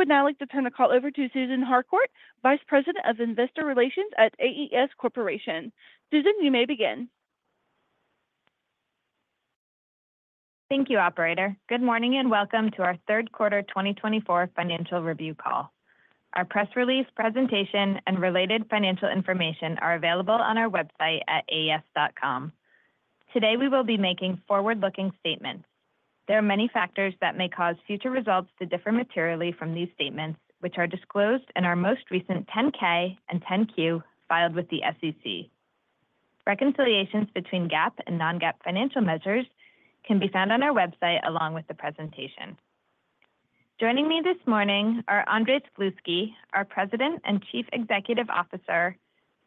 I would now like to turn the call over to Susan Harcourt, Vice President of Investor Relations at AES Corporation. Susan, you may begin. Thank you, Operator. Good morning and welcome to our third quarter 2024 financial review call. Our press release, presentation, and related financial information are available on our website at aes.com. Today we will be making forward-looking statements. There are many factors that may cause future results to differ materially from these statements, which are disclosed in our most recent 10-K and 10-Q filed with the SEC. Reconciliations between GAAP and non-GAAP financial measures can be found on our website along with the presentation. Joining me this morning are Andrés Gluski, our President and Chief Executive Officer,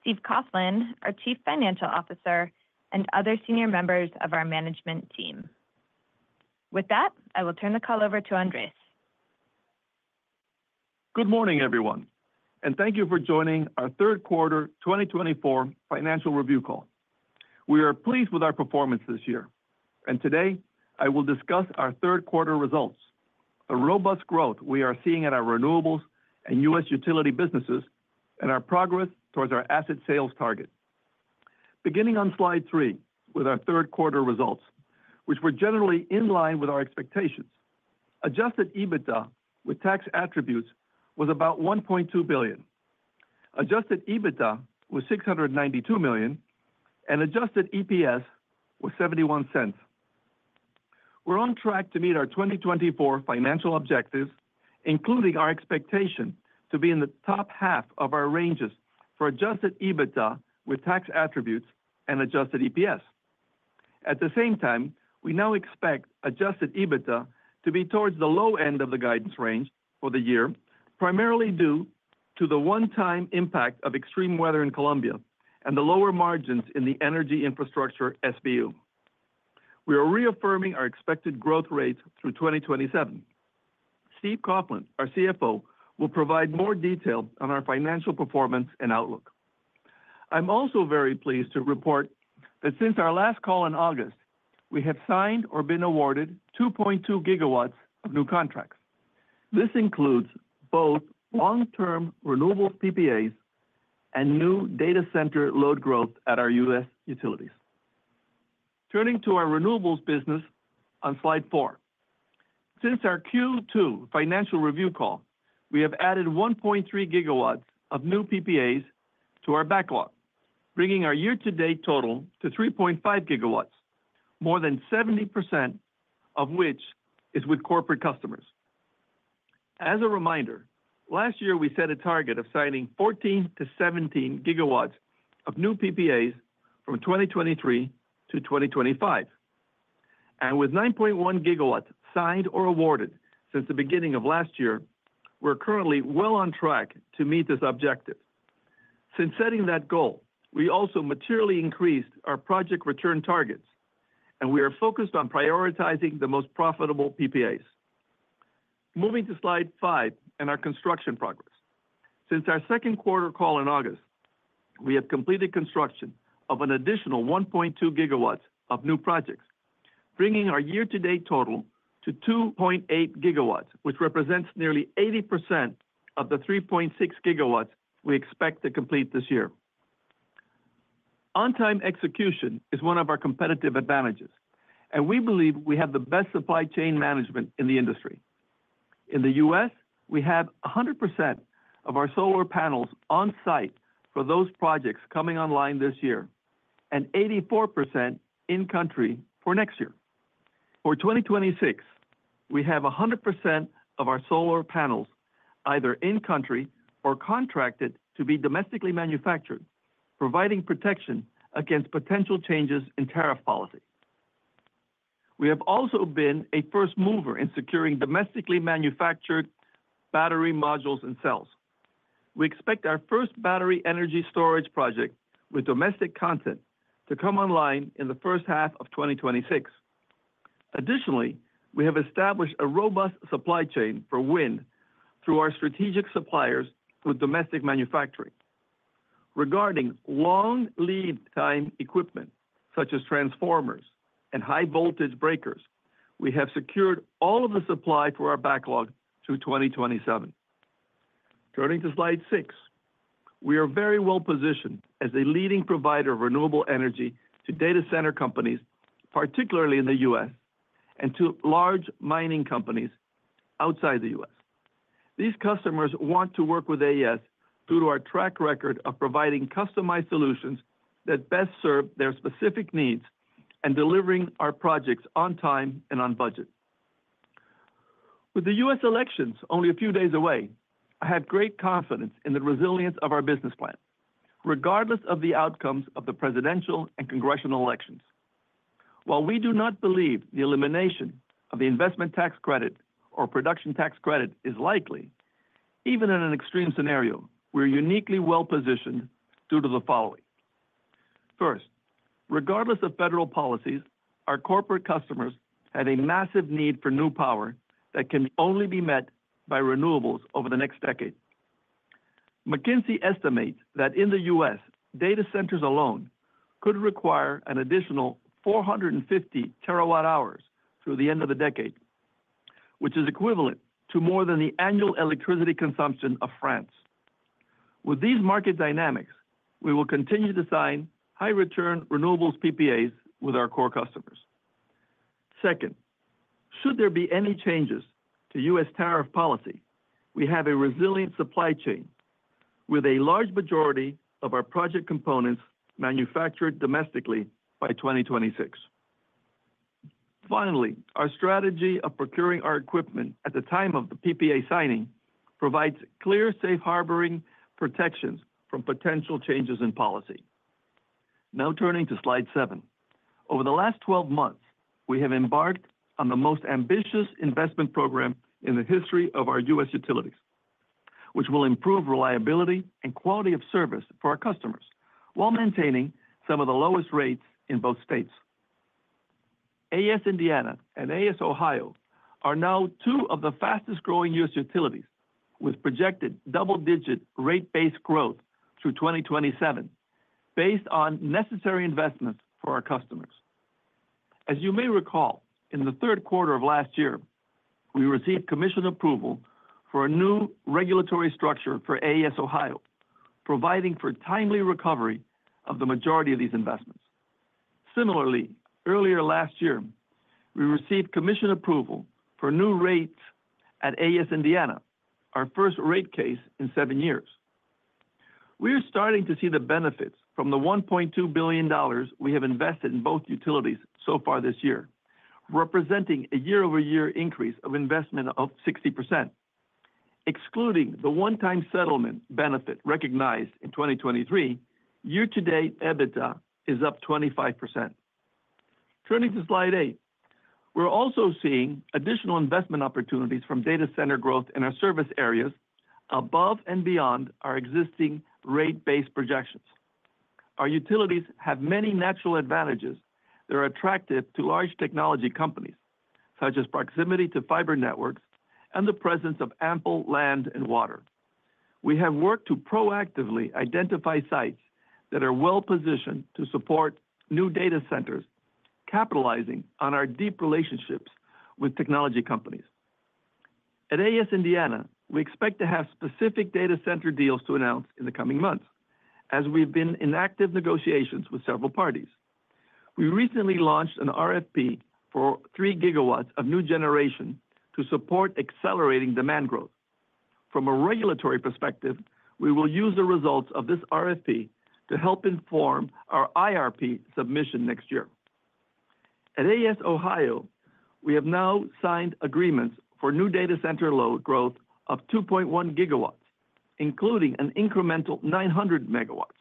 Steve Coughlin, our Chief Financial Officer, and other senior members of our management team. With that, I will turn the call over to Andrés. Good morning, everyone, and thank you for joining our third quarter 2024 financial review call. We are pleased with our performance this year, and today I will discuss our third quarter results: the robust growth we are seeing in our renewables and U.S. utility businesses, and our progress towards our asset sales target. Beginning on slide three with our third quarter results, which were generally in line with our expectations, adjusted EBITDA with tax attributes was about $1.2 billion, adjusted EBITDA was $692 million, and adjusted EPS was $0.71. We're on track to meet our 2024 financial objectives, including our expectation to be in the top half of our ranges for adjusted EBITDA with tax attributes and adjusted EPS. At the same time, we now expect adjusted EBITDA to be towards the low end of the guidance range for the year, primarily due to the one-time impact of extreme weather in Colombia and the lower margins in the Energy Infrastructure SBU. We are reaffirming our expected growth rates through 2027. Steve Coughlin, our CFO, will provide more detail on our financial performance and outlook. I'm also very pleased to report that since our last call in August, we have signed or been awarded 2.2 gigawatts of new contracts. This includes both long-term renewables PPAs and new data center load growth at our U.S. utilities. Turning to our renewables business on slide four, since our Q2 financial review call, we have added 1.3 gigawatts of new PPAs to our backlog, bringing our year-to-date total to 3.5 gigawatts, more than 70% of which is with corporate customers. As a reminder, last year we set a target of signing 14 to 17 gigawatts of new PPAs from 2023 to 2025, and with 9.1 gigawatts signed or awarded since the beginning of last year, we're currently well on track to meet this objective. Since setting that goal, we also materially increased our project return targets, and we are focused on prioritizing the most profitable PPAs. Moving to slide five and our construction progress. Since our second quarter call in August, we have completed construction of an additional 1.2 gigawatts of new projects, bringing our year-to-date total to 2.8 gigawatts, which represents nearly 80% of the 3.6 gigawatts we expect to complete this year. On-time execution is one of our competitive advantages, and we believe we have the best supply chain management in the industry. In the U.S., we have 100% of our solar panels on site for those projects coming online this year, and 84% in-country for next year. For 2026, we have 100% of our solar panels either in-country or contracted to be domestically manufactured, providing protection against potential changes in tariff policy. We have also been a first mover in securing domestically manufactured battery modules and cells. We expect our first battery energy storage project with domestic content to come online in the first half of 2026. Additionally, we have established a robust supply chain for wind through our strategic suppliers with domestic manufacturing. Regarding long lead-time equipment such as transformers and high-voltage breakers, we have secured all of the supply for our backlog through 2027. Turning to slide six, we are very well positioned as a leading provider of renewable energy to data center companies, particularly in the U.S., and to large mining companies outside the U.S. These customers want to work with AES due to our track record of providing customized solutions that best serve their specific needs and delivering our projects on time and on budget. With the U.S. elections only a few days away, I have great confidence in the resilience of our business plan, regardless of the outcomes of the presidential and congressional elections. While we do not believe the elimination of the investment tax credit or production tax credit is likely, even in an extreme scenario, we're uniquely well positioned due to the following. First, regardless of federal policies, our corporate customers have a massive need for new power that can only be met by renewables over the next decade. McKinsey estimates that in the U.S., data centers alone could require an additional 450 terawatt-hours through the end of the decade, which is equivalent to more than the annual electricity consumption of France. With these market dynamics, we will continue to sign high-return renewables PPAs with our core customers. Second, should there be any changes to U.S. tariff policy, we have a resilient supply chain with a large majority of our project components manufactured domestically by 2026. Finally, our strategy of procuring our equipment at the time of the PPA signing provides clear safe harboring protections from potential changes in policy. Now turning to slide seven, over the last 12 months, we have embarked on the most ambitious investment program in the history of our U.S. utilities, which will improve reliability and quality of service for our customers while maintaining some of the lowest rates in both states. AES Indiana and AES Ohio are now two of the fastest-growing U.S. utilities, with projected double-digit rate base growth through 2027, based on necessary investments for our customers. As you may recall, in the third quarter of last year, we received commission approval for a new regulatory structure for AES Ohio, providing for timely recovery of the majority of these investments. Similarly, earlier last year, we received commission approval for new rates at AES Indiana, our first rate case in seven years. We are starting to see the benefits from the $1.2 billion we have invested in both utilities so far this year, representing a year-over-year increase of investment of 60%. Excluding the one-time settlement benefit recognized in 2023, year-to-date EBITDA is up 25%. Turning to slide eight, we're also seeing additional investment opportunities from data center growth in our service areas above and beyond our existing rate-based projections. Our utilities have many natural advantages that are attractive to large technology companies, such as proximity to fiber networks and the presence of ample land and water. We have worked to proactively identify sites that are well positioned to support new data centers, capitalizing on our deep relationships with technology companies. At AES Indiana, we expect to have specific data center deals to announce in the coming months, as we've been in active negotiations with several parties. We recently launched an RFP for three gigawatts of new generation to support accelerating demand growth. From a regulatory perspective, we will use the results of this RFP to help inform our IRP submission next year. At AES Ohio, we have now signed agreements for new data center load growth of 2.1 gigawatts, including an incremental 900 megawatts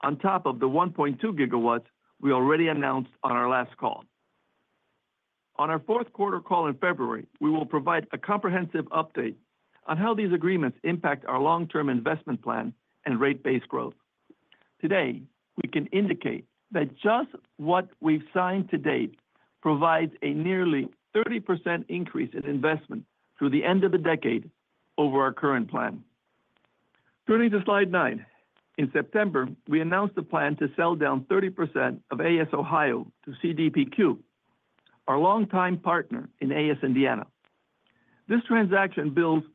on top of the 1.2 gigawatts we already announced on our last call. On our fourth quarter call in February, we will provide a comprehensive update on how these agreements impact our long-term investment plan and rate based growth. Today, we can indicate that just what we've signed to date provides a nearly 30% increase in investment through the end of the decade over our current plan. Turning to slide nine, in September, we announced a plan to sell down 30% of AES Ohio to CDPQ, our long-time partner in AES Indiana. This transaction builds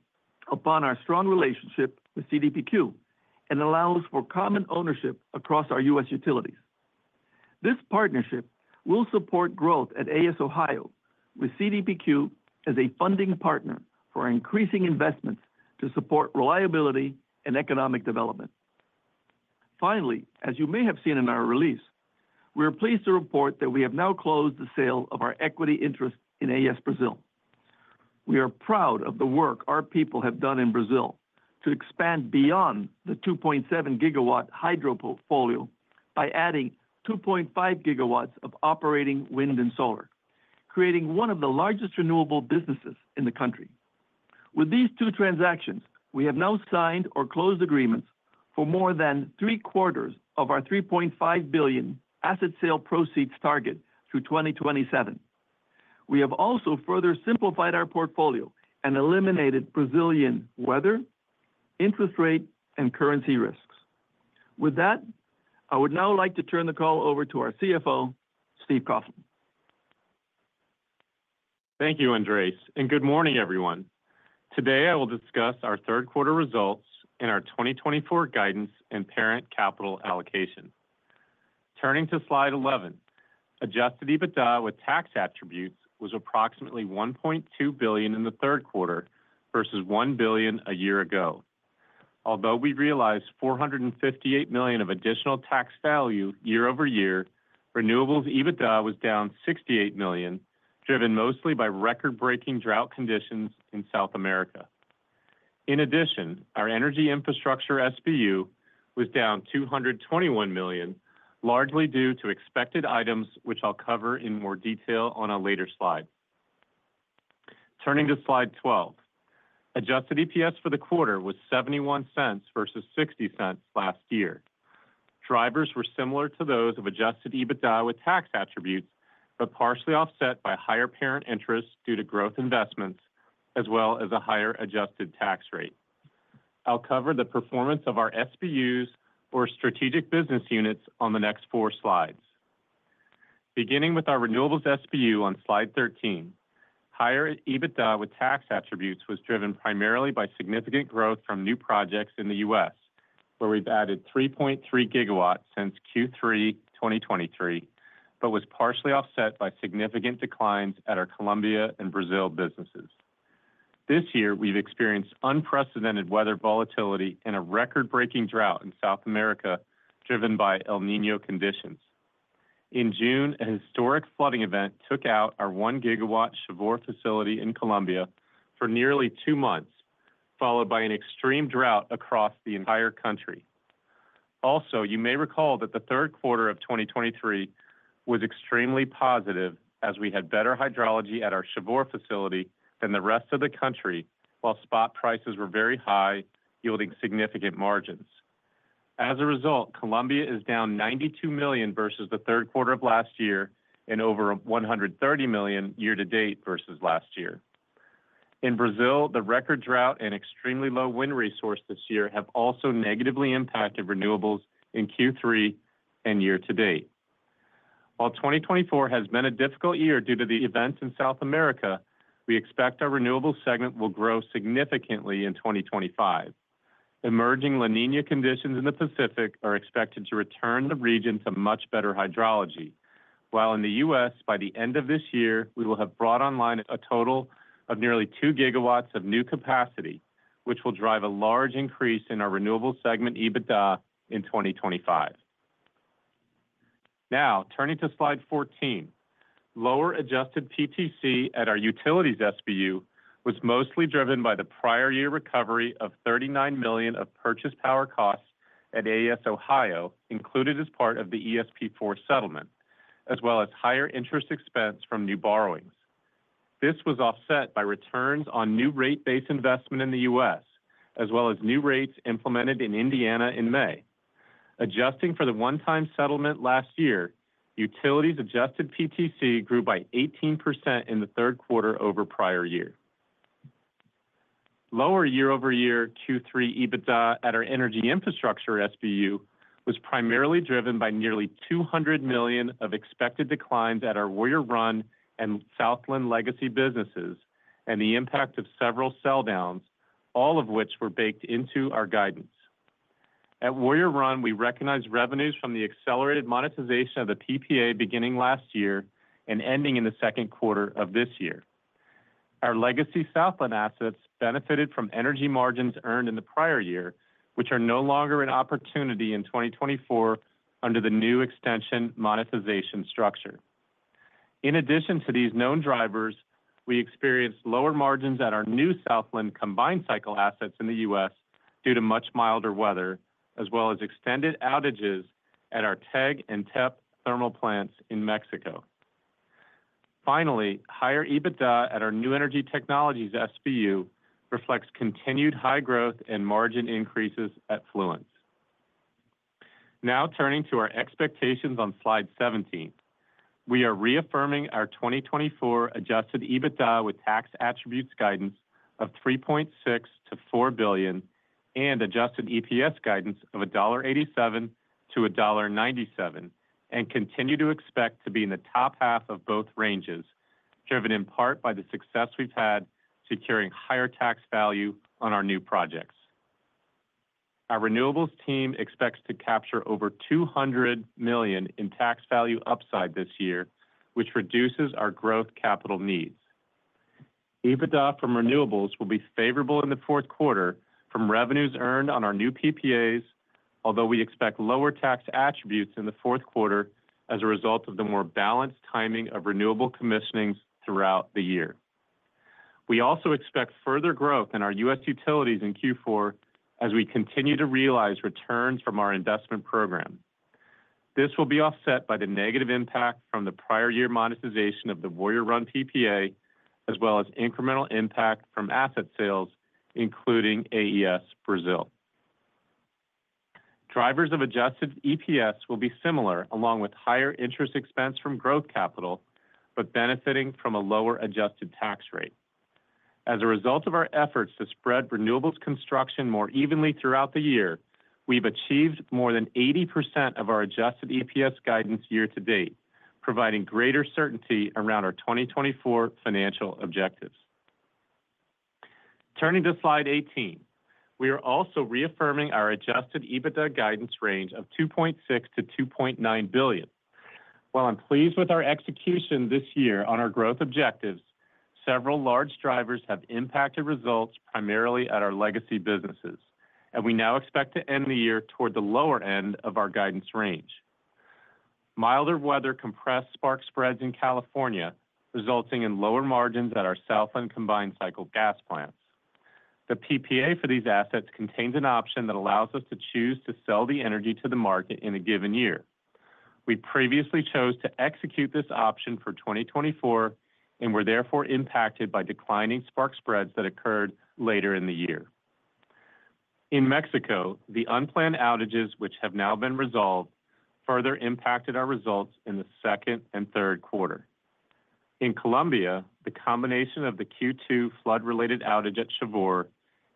upon our strong relationship with CDPQ and allows for common ownership across our U.S. utilities. This partnership will support growth at AES Ohio, with CDPQ as a funding partner for increasing investments to support reliability and economic development. Finally, as you may have seen in our release, we are pleased to report that we have now closed the sale of our equity interest in AES Brazil. We are proud of the work our people have done in Brazil to expand beyond the 2.7 gigawatt hydro portfolio by adding 2.5 gigawatts of operating wind and solar, creating one of the largest renewable businesses in the country. With these two transactions, we have now signed or closed agreements for more than three quarters of our $3.5 billion asset sale proceeds target through 2027. We have also further simplified our portfolio and eliminated Brazilian weather, interest rate, and currency risks. With that, I would now like to turn the call over to our CFO, Steve Coughlin. Thank you, Andrés, and good morning, everyone. Today, I will discuss our third quarter results in our 2024 guidance and parent capital allocation. Turning to slide 11, Adjusted EBITDA with tax attributes was approximately $1.2 billion in the third quarter versus $1 billion a year ago. Although we realized $458 million of additional tax value year over year, Renewables EBITDA was down $68 million, driven mostly by record-breaking drought conditions in South America. In addition, our energy infrastructure SBU was down $221 million, largely due to expected items, which I'll cover in more detail on a later slide. Turning to slide 12, Adjusted EPS for the quarter was $0.71 versus $0.60 last year. Drivers were similar to those of Adjusted EBITDA with tax attributes, but partially offset by higher parent interest due to growth investments, as well as a higher adjusted tax rate. I'll cover the performance of our SBUs or strategic business units on the next four slides. Beginning with our Renewables SBU on slide 13, higher EBITDA with tax attributes was driven primarily by significant growth from new projects in the U.S., where we've added 3.3 gigawatts since Q3 2023, but was partially offset by significant declines at our Colombia and Brazil businesses. This year, we've experienced unprecedented weather volatility and a record-breaking drought in South America, driven by El Niño conditions. In June, a historic flooding event took out our one-gigawatt Chivor facility in Colombia for nearly two months, followed by an extreme drought across the entire country. Also, you may recall that the third quarter of 2023 was extremely positive, as we had better hydrology at our Chivor facility than the rest of the country, while spot prices were very high, yielding significant margins. As a result, Colombia is down $92 million versus the third quarter of last year and over $130 million year-to-date versus last year. In Brazil, the record drought and extremely low wind resource this year have also negatively impacted renewables in Q3 and year-to-date. While 2024 has been a difficult year due to the events in South America, we expect our renewable segment will grow significantly in 2025. Emerging La Niña conditions in the Pacific are expected to return the region to much better hydrology, while in the U.S., by the end of this year, we will have brought online a total of nearly two gigawatts of new capacity, which will drive a large increase in our renewable segment EBITDA in 2025. Now, turning to slide 14, lower Adjusted PTC at our Utilities SBU was mostly driven by the prior year recovery of $39 million of purchase power costs at AES Ohio, included as part of the ESP4 settlement, as well as higher interest expense from new borrowings. This was offset by returns on new rate-based investment in the U.S., as well as new rates implemented in Indiana in May. Adjusting for the one-time settlement last year, utilities Adjusted PTC grew by 18% in the third quarter over prior year. Lower year-over-year Q3 EBITDA at our energy infrastructure SBU was primarily driven by nearly $200 million of expected declines at our Warrior Run and Southland Legacy businesses and the impact of several sell-downs, all of which were baked into our guidance. At Warrior Run, we recognize revenues from the accelerated monetization of the PPA beginning last year and ending in the second quarter of this year. Our Southland Legacy assets benefited from energy margins earned in the prior year, which are no longer an opportunity in 2024 under the new extension monetization structure. In addition to these known drivers, we experienced lower margins at our new Southland combined cycle assets in the U.S. due to much milder weather, as well as extended outages at our TEG and TEP thermal plants in Mexico. Finally, higher EBITDA at our New Energy Technologies SBU reflects continued high growth and margin increases at Fluence. Now turning to our expectations on slide 17, we are reaffirming our 2024 adjusted EBITDA with tax attributes guidance of $3.6-$4 billion and adjusted EPS guidance of $1.87-$1.97 and continue to expect to be in the top half of both ranges, driven in part by the success we've had securing higher tax value on our new projects. Our renewables team expects to capture over $200 million in tax value upside this year, which reduces our growth capital needs. EBITDA from renewables will be favorable in the fourth quarter from revenues earned on our new PPAs, although we expect lower tax attributes in the fourth quarter as a result of the more balanced timing of renewable commissionings throughout the year. We also expect further growth in our U.S. utilities in Q4 as we continue to realize returns from our investment program. This will be offset by the negative impact from the prior year monetization of the Warrior Run PPA, as well as incremental impact from asset sales, including AES Brazil. Drivers of adjusted EPS will be similar, along with higher interest expense from growth capital, but benefiting from a lower adjusted tax rate. As a result of our efforts to spread renewables construction more evenly throughout the year, we've achieved more than 80% of our adjusted EPS guidance year-to-date, providing greater certainty around our 2024 financial objectives. Turning to slide 18, we are also reaffirming our adjusted EBITDA guidance range of $2.6-$2.9 billion. While I'm pleased with our execution this year on our growth objectives, several large drivers have impacted results primarily at our legacy businesses, and we now expect to end the year toward the lower end of our guidance range. Milder weather compressed spark spreads in California, resulting in lower margins at our Southland combined cycle gas plants. The PPA for these assets contains an option that allows us to choose to sell the energy to the market in a given year. We previously chose to execute this option for 2024 and were therefore impacted by declining spark spreads that occurred later in the year. In Mexico, the unplanned outages, which have now been resolved, further impacted our results in the second and third quarter. In Colombia, the combination of the Q2 flood-related outage at Chivor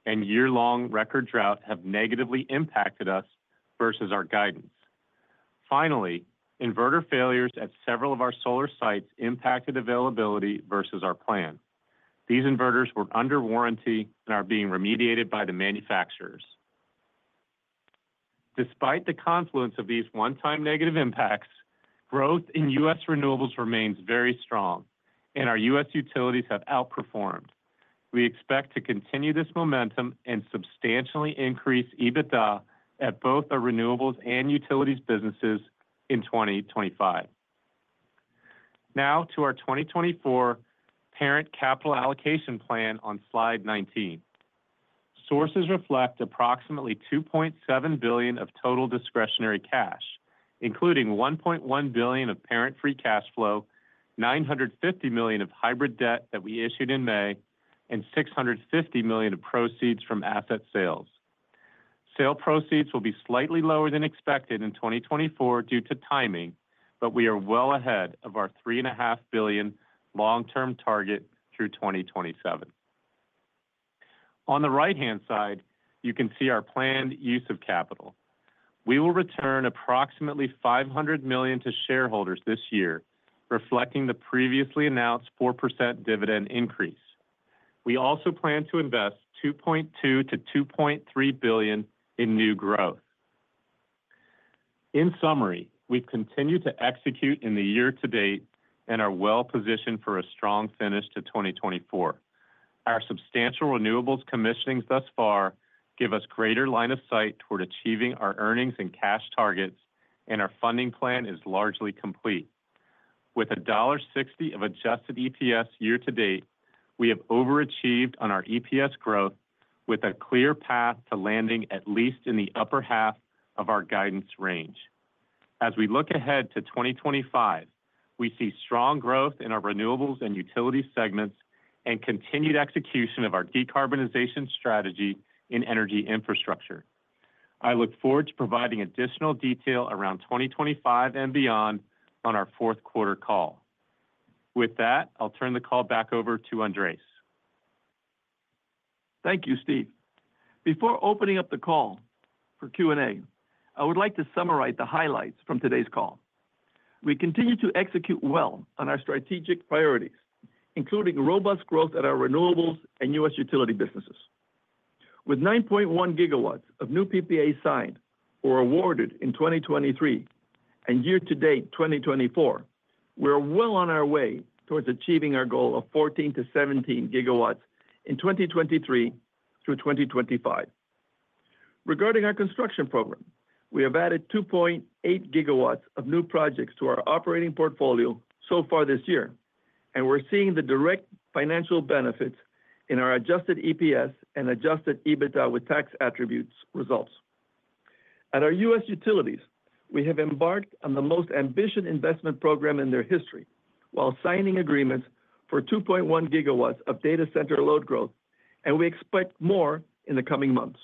and year-long record drought have negatively impacted us versus our guidance. Finally, inverter failures at several of our solar sites impacted availability versus our plan. These inverters were under warranty and are being remediated by the manufacturers. Despite the confluence of these one-time negative impacts, growth in U.S. Renewables remains very strong, and our U.S. utilities have outperformed. We expect to continue this momentum and substantially increase EBITDA at both our renewables and utilities businesses in 2025. Now to our 2024 parent capital allocation plan on slide 19. Sources reflect approximately $2.7 billion of total discretionary cash, including $1.1 billion of Parent Free Cash Flow, $950 million of hybrid debt that we issued in May, and $650 million of proceeds from asset sales. Sale proceeds will be slightly lower than expected in 2024 due to timing, but we are well ahead of our $3.5 billion long-term target through 2027. On the right-hand side, you can see our planned use of capital. We will return approximately $500 million to shareholders this year, reflecting the previously announced 4% dividend increase. We also plan to invest $2.2-$2.3 billion in new growth. In summary, we've continued to execute in the year-to-date and are well-positioned for a strong finish to 2024. Our substantial renewables commissionings thus far give us greater line of sight toward achieving our earnings and cash targets, and our funding plan is largely complete. With $1.60 of Adjusted EPS year-to-date, we have overachieved on our EPS growth, with a clear path to landing at least in the upper half of our guidance range. As we look ahead to 2025, we see strong growth in our renewables and utilities segments and continued execution of our decarbonization strategy in energy infrastructure. I look forward to providing additional detail around 2025 and beyond on our fourth quarter call. With that, I'll turn the call back over to Andrés. Thank you, Steve. Before opening up the call for Q&A, I would like to summarize the highlights from today's call. We continue to execute well on our strategic priorities, including robust growth at our renewables and U.S. utility businesses. With 9.1 gigawatts of new PPA signed or awarded in 2023 and year-to-date 2024, we're well on our way towards achieving our goal of 14 to 17 gigawatts in 2023 through 2025. Regarding our construction program, we have added 2.8 gigawatts of new projects to our operating portfolio so far this year, and we're seeing the direct financial benefits in our adjusted EPS and adjusted EBITDA with tax attributes results. At our U.S. utilities, we have embarked on the most ambitious investment program in their history while signing agreements for 2.1 gigawatts of data center load growth, and we expect more in the coming months.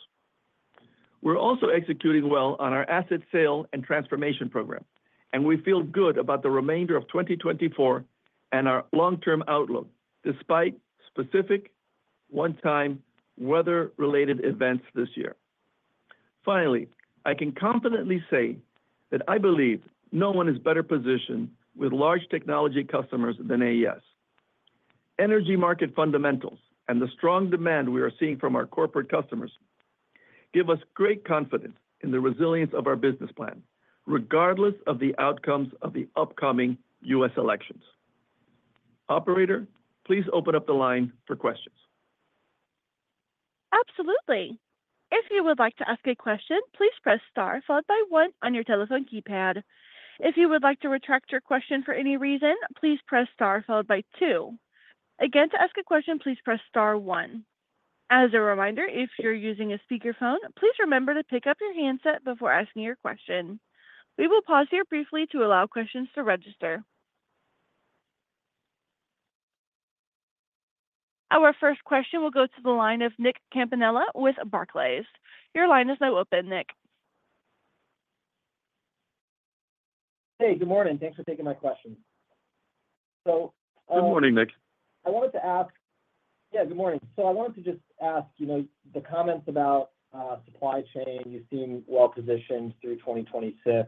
We're also executing well on our asset sale and transformation program, and we feel good about the remainder of 2024 and our long-term outlook, despite specific one-time weather-related events this year. Finally, I can confidently say that I believe no one is better positioned with large technology customers than AES. Energy market fundamentals and the strong demand we are seeing from our corporate customers give us great confidence in the resilience of our business plan, regardless of the outcomes of the upcoming U.S. elections. Operator, please open up the line for questions. Absolutely. If you would like to ask a question, please press star followed by one on your telephone keypad. If you would like to retract your question for any reason, please press star followed by two. Again, to ask a question, please press star one. As a reminder, if you're using a speakerphone, please remember to pick up your handset before asking your question. We will pause here briefly to allow questions to register. Our first question will go to the line of Nick Campanella with Barclays. Your line is now open, Nick. Hey, good morning. Thanks for taking my question. So. Good morning, Nick. I wanted to ask. Yeah, good morning. So I wanted to just ask, you know, the comments about supply chain. You seem well-positioned through 2026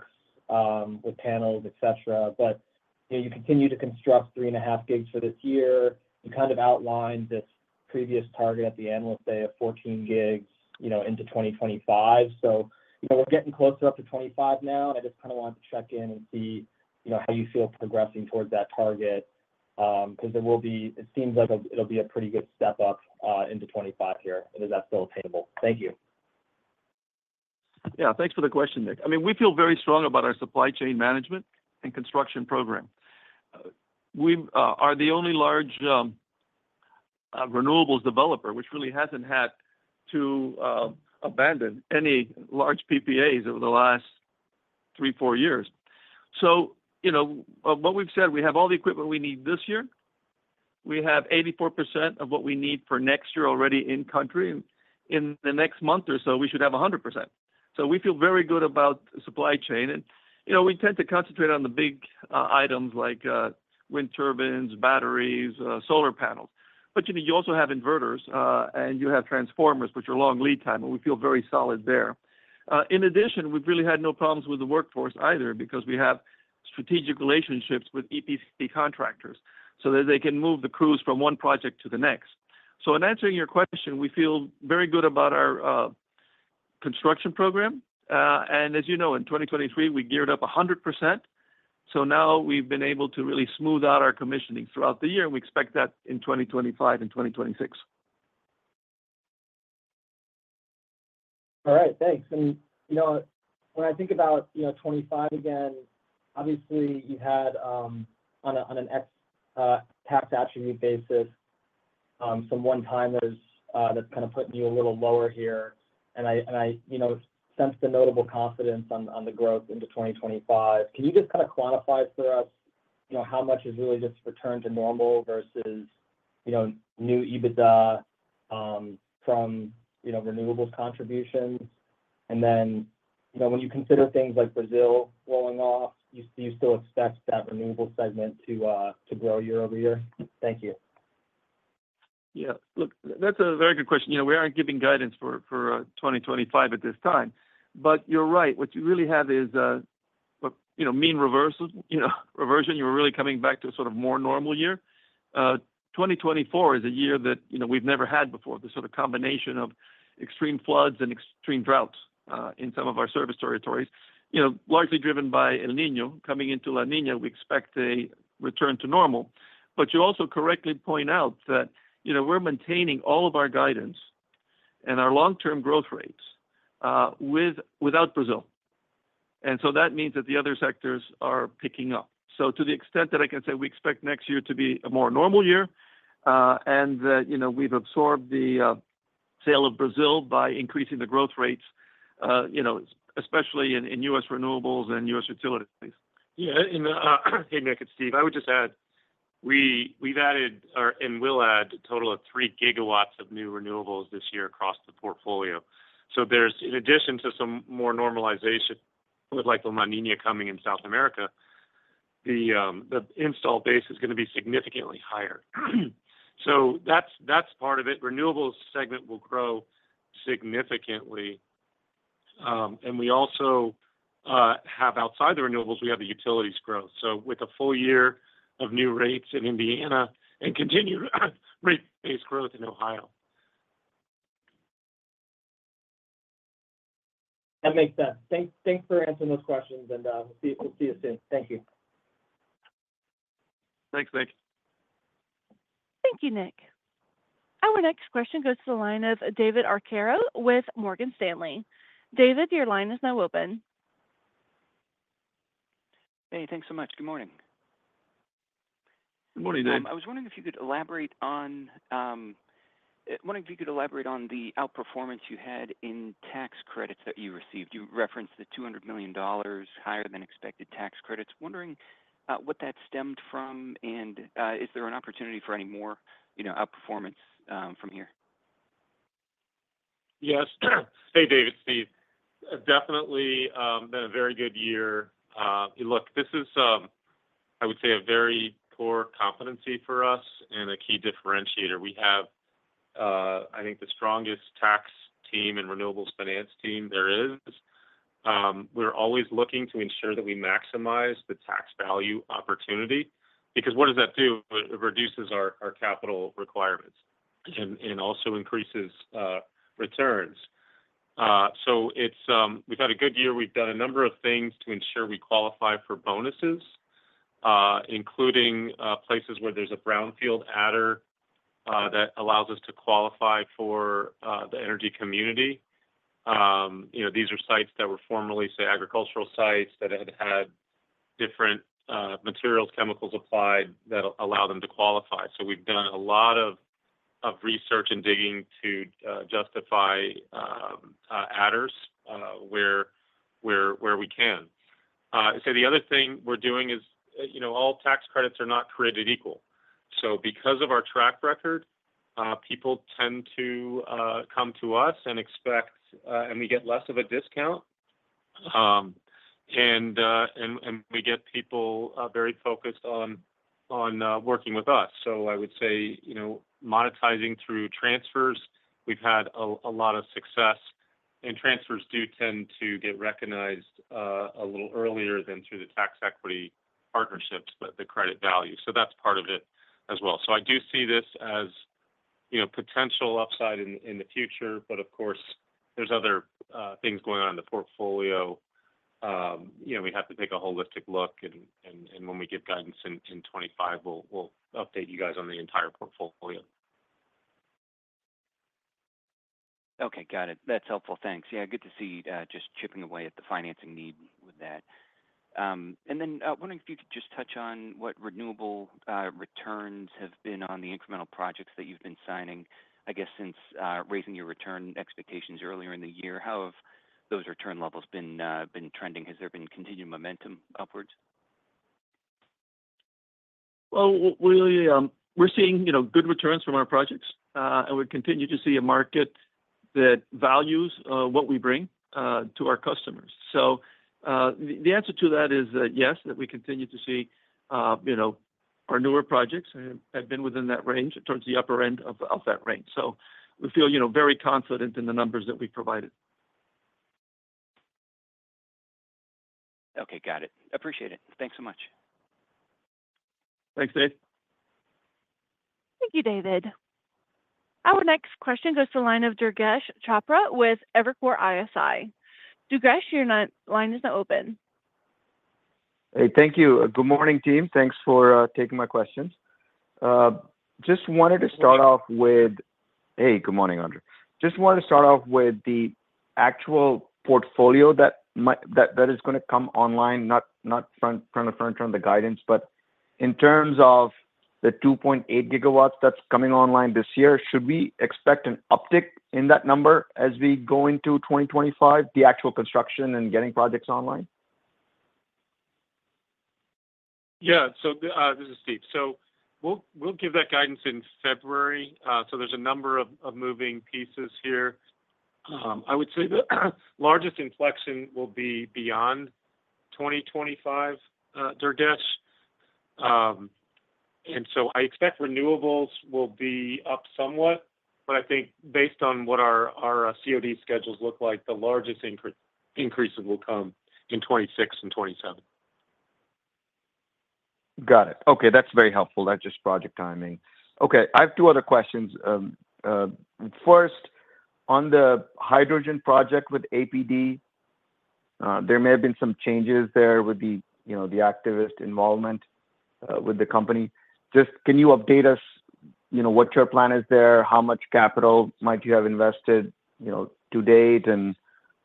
with panels, et cetera, but you continue to construct 3.5 gigs for this year. You kind of outlined this previous target at the Analyst Day of 14 gigs, you know, into 2025. So, you know, we're getting closer up to 25 now, and I just kind of wanted to check in and see, you know, how you feel progressing towards that target because there will be, it seems like it'll be a pretty good step up into 25 here, and is that still attainable? Thank you. Yeah, thanks for the question, Nick. I mean, we feel very strong about our supply chain management and construction program. We are the only large renewables developer, which really hasn't had to abandon any large PPAs over the last three, four years. So, you know, what we've said, we have all the equipment we need this year. We have 84% of what we need for next year already in country. In the next month or so, we should have 100%. So we feel very good about supply chain. And, you know, we tend to concentrate on the big items like wind turbines, batteries, solar panels. But, you know, you also have inverters, and you have transformers, which are long lead time, and we feel very solid there. In addition, we've really had no problems with the workforce either because we have strategic relationships with EPC contractors so that they can move the crews from one project to the next, so in answering your question, we feel very good about our construction program, and as you know, in 2023, we geared up 100%, so now we've been able to really smooth out our commissioning throughout the year, and we expect that in 2025 and 2026. All right, thanks. And, you know, when I think about, you know, 25 again, obviously you had on an ex tax attribute basis some one-timers that's kind of putting you a little lower here. And I, you know, sense the notable confidence on the growth into 2025. Can you just kind of quantify for us, you know, how much is really just returned to normal versus, you know, new EBITDA from, you know, renewables contributions? And then, you know, when you consider things like Brazil rolling off, do you still expect that renewable segment to grow year over year? Thank you. Yeah, look, that's a very good question. You know, we aren't giving guidance for 2025 at this time, but you're right. What you really have is, you know, mean reversion, you know, reversion. You're really coming back to a sort of more normal year. 2024 is a year that, you know, we've never had before, the sort of combination of extreme floods and extreme droughts in some of our service territories, you know, largely driven by El Niño. Coming into La Niña, we expect a return to normal. But you also correctly point out that, you know, we're maintaining all of our guidance and our long-term growth rates without Brazil. And so that means that the other sectors are picking up. To the extent that I can say, we expect next year to be a more normal year and that, you know, we've absorbed the sale of Brazil by increasing the growth rates, you know, especially in U.S. renewables and U.S. utilities. Yeah, and hey, Nick and Steve, I would just add we've added and will add a total of 3 gigawatts of new renewables this year across the portfolio. So there's, in addition to some more normalization with like La Niña coming in South America, the install base is going to be significantly higher. So that's part of it. Renewables segment will grow significantly. And we also have, outside the renewables, we have the utilities growth. So with a full year of new rates in Indiana and continued rate-based growth in Ohio. That makes sense. Thanks for answering those questions, and we'll see you soon. Thank you. Thanks, Nick. Thank you, Nick. Our next question goes to the line of David Arcaro with Morgan Stanley. David, your line is now open. Hey, thanks so much. Good morning. Good morning, Nick. I was wondering if you could elaborate on the outperformance you had in tax credits that you received. You referenced the $200 million higher than expected tax credits. Wondering what that stemmed from, and is there an opportunity for any more, you know, outperformance from here? Yes. Hey, David, Steve. Definitely been a very good year. Look, this is, I would say, a very core competency for us and a key differentiator. We have, I think, the strongest tax team and renewables finance team there is. We're always looking to ensure that we maximize the tax value opportunity because what does that do? It reduces our capital requirements and also increases returns. So we've had a good year. We've done a number of things to ensure we qualify for bonuses, including places where there's a Brownfield Adder that allows us to qualify for the energy community. You know, these are sites that were formerly, say, agricultural sites that had had different materials, chemicals applied that allow them to qualify. So we've done a lot of research and digging to justify adders where we can. So the other thing we're doing is, you know, all tax credits are not created equal. So because of our track record, people tend to come to us and expect, and we get less of a discount, and we get people very focused on working with us. So I would say, you know, monetizing through transfers, we've had a lot of success, and transfers do tend to get recognized a little earlier than through the tax equity partnerships, but the credit value. So that's part of it as well. So I do see this as, you know, potential upside in the future, but of course, there's other things going on in the portfolio. You know, we have to take a holistic look, and when we get guidance in 2025, we'll update you guys on the entire portfolio. Okay, got it. That's helpful. Thanks. Yeah, good to see just chipping away at the financing need with that. And then wondering if you could just touch on what renewable returns have been on the incremental projects that you've been signing, I guess, since raising your return expectations earlier in the year. How have those return levels been trending? Has there been continued momentum upwards? We're seeing, you know, good returns from our projects, and we continue to see a market that values what we bring to our customers. The answer to that is yes, that we continue to see, you know, our newer projects have been within that range towards the upper end of that range. We feel, you know, very confident in the numbers that we've provided. Okay, got it. Appreciate it. Thanks so much. Thanks, Dave. Thank you, David. Our next question goes to the line of Durgesh Chopra with Evercore ISI. Durgesh, your line is now open. Hey, thank you. Good morning, team. Thanks for taking my questions. Just wanted to start off with, hey, good morning, Andrés. Just wanted to start off with the actual portfolio that is going to come online, not in front of the guidance, but in terms of the 2.8 gigawatts that's coming online this year, should we expect an uptick in that number as we go into 2025, the actual construction and getting projects online? Yeah, so this is Steve. We'll give that guidance in February. There's a number of moving pieces here. I would say the largest inflection will be beyond 2025, Durgesh. I expect renewables will be up somewhat, but I think based on what our COD schedules look like, the largest increases will come in 2026 and 2027. Got it. Okay, that's very helpful. That's just project timing. Okay, I have two other questions. First, on the hydrogen project with APD, there may have been some changes there with the, you know, the activist involvement with the company. Just can you update us, you know, what your plan is there, how much capital might you have invested, you know, to date, and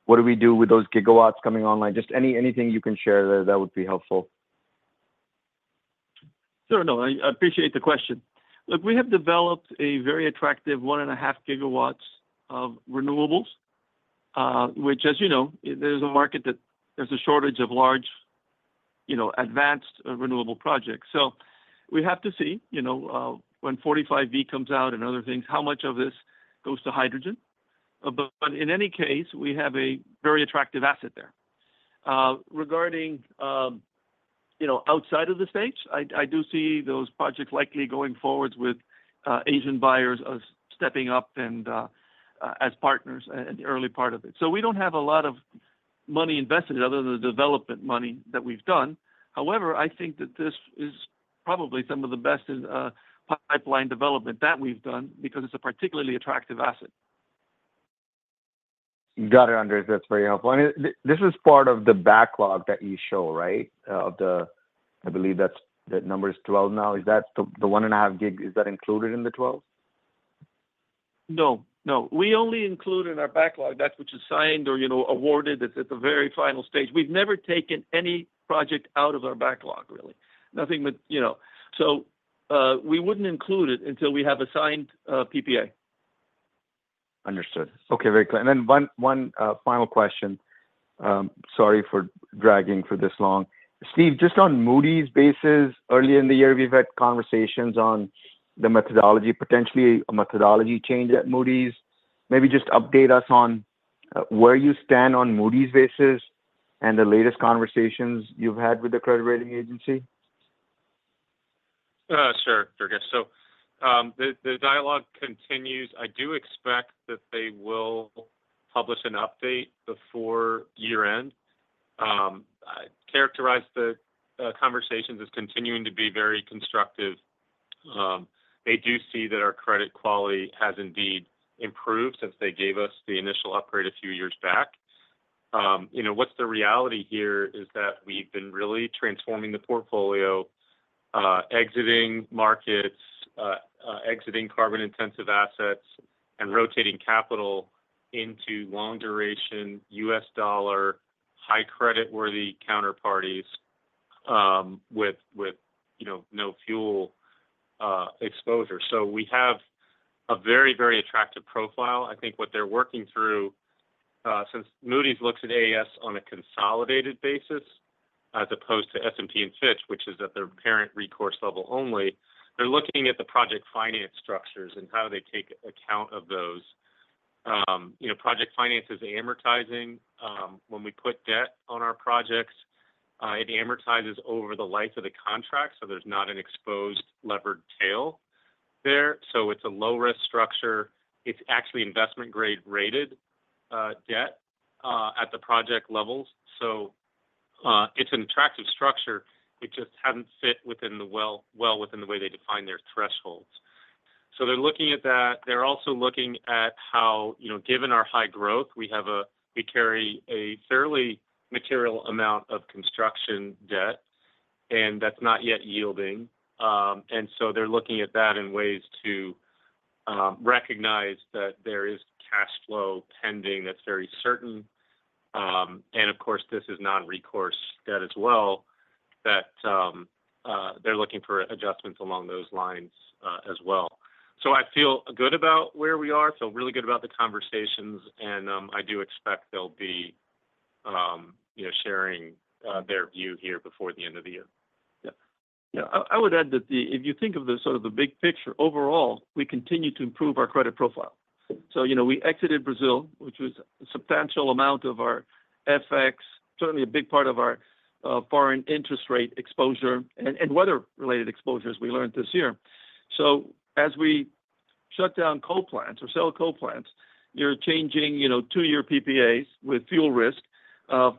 what do we do with those gigawatts coming online? Just anything you can share there that would be helpful. Sure, no, I appreciate the question. Look, we have developed a very attractive 1.5 gigawatts of renewables, which, as you know, there's a market that there's a shortage of large, you know, advanced renewable projects. So we have to see, you know, when 45V comes out and other things, how much of this goes to hydrogen. But in any case, we have a very attractive asset there. Regarding, you know, outside of the states, I do see those projects likely going forward with Asian buyers stepping up and as partners in the early part of it. So we don't have a lot of money invested other than the development money that we've done. However, I think that this is probably some of the best in pipeline development that we've done because it's a particularly attractive asset. Got it, Andrew. That's very helpful, and this is part of the backlog that you show, right? Of the, I believe that's the number is 12 now. Is that the 1.5 gig included in the 12? No, no. We only include in our backlog that which is signed or, you know, awarded. It's at the very final stage. We've never taken any project out of our backlog, really. Nothing with, you know, so we wouldn't include it until we have a signed PPA. Understood. Okay, very clear. And then one final question. Sorry for dragging for this long. Steve, just on Moody's basis, earlier in the year, we've had conversations on the methodology, potentially a methodology change at Moody's. Maybe just update us on where you stand on Moody's basis and the latest conversations you've had with the credit rating agency. Sure, Durgesh. So the dialogue continues. I do expect that they will publish an update before year-end. I characterize the conversations as continuing to be very constructive. They do see that our credit quality has indeed improved since they gave us the initial upgrade a few years back. You know, what's the reality here is that we've been really transforming the portfolio, exiting markets, exiting carbon-intensive assets, and rotating capital into long-duration U.S. dollar, high-credit-worthy counterparties with, you know, no fuel exposure. So we have a very, very attractive profile. I think what they're working through, since Moody's looks at AES on a consolidated basis as opposed to S&P and Fitch, which is at their parent recourse level only, they're looking at the project finance structures and how they take account of those. You know, project finance is amortizing. When we put debt on our projects, it amortizes over the life of the contract, so there's not an exposed levered tail there. So it's a low-risk structure. It's actually investment-grade rated debt at the project levels. So it's an attractive structure. It just hasn't fit well within the way they define their thresholds. So they're looking at that. They're also looking at how, you know, given our high growth, we carry a fairly material amount of construction debt, and that's not yet yielding. And so they're looking at that in ways to recognize that there is cash flow pending that's very certain. And of course, this is non-recourse debt as well, that they're looking for adjustments along those lines as well. So I feel good about where we are, feel really good about the conversations, and I do expect they'll be, you know, sharing their view here before the end of the year. Yeah. Yeah, I would add that if you think of the sort of the big picture overall, we continue to improve our credit profile. So, you know, we exited Brazil, which was a substantial amount of our FX, certainly a big part of our foreign interest rate exposure and weather-related exposures we learned this year. So as we shut down coal plants or sell coal plants, you're changing, you know, two-year PPAs with fuel risk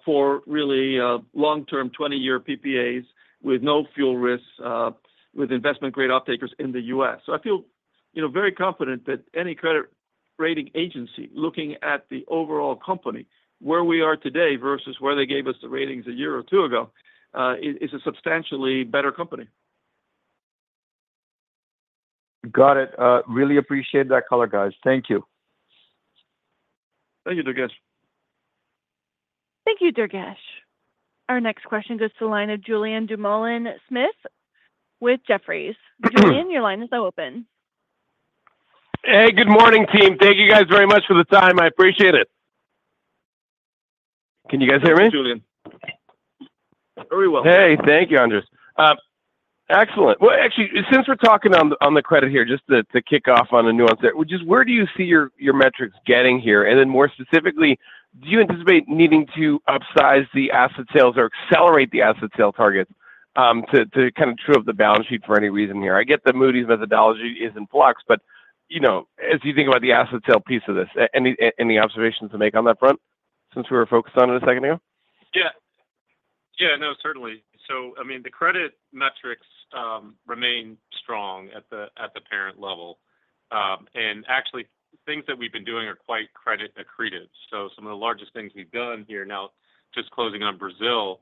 for really long-term 20-year PPAs with no fuel risk with investment-grade uptakers in the U.S. So I feel, you know, very confident that any credit rating agency looking at the overall company, where we are today versus where they gave us the ratings a year or two ago, is a substantially better company. Got it. Really appreciate that color, guys. Thank you. Thank you, Durgesh. Thank you, Durgesh. Our next question goes to the line of Julien Dumoulin-Smith with Jefferies. Julien, your line is now open. Hey, good morning, team. Thank you guys very much for the time. I appreciate it. Can you guys hear me? Julien. Very well. Hey, thank you, Andrés. Excellent. Well, actually, since we're talking on the credit here, just to kick off on a nuance there, which is where do you see your metrics getting here? And then more specifically, do you anticipate needing to upsize the asset sales or accelerate the asset sale target to kind of true up the balance sheet for any reason here? I get that Moody's methodology is in flux, but, you know, as you think about the asset sale piece of this, any observations to make on that front since we were focused on it a second ago? Yeah. Yeah, no, certainly. So, I mean, the credit metrics remain strong at the parent level, and actually, things that we've been doing are quite credit-accretive. So some of the largest things we've done here, now just closing on Brazil,